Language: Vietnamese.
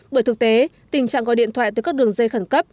bởi thực tế tình trạng gọi điện thoại từ các đường dây khẩn cấp